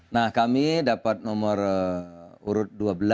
nah kami dapat nomor urut dua belas